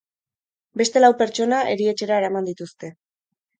Beste lau pertsona erietxera eraman dituzte.